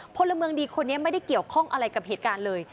พลเมืองดีคนนี้ไม่ได้เกี่ยวข้องอะไรกับเหตุการณ์เลย